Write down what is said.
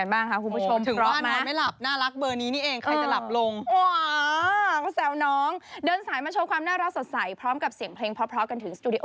ได้ไหมว่าหน่อยช่วยฉันที